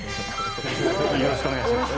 よろしくお願いします。